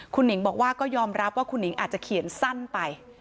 คุณหนิงบอกว่าก็ยอมรับว่าคุณหนิงอาจจะเขียนสั้นไป